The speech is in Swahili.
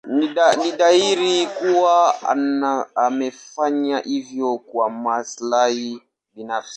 Ni dhahiri kuwa amefanya hivyo kwa maslahi binafsi.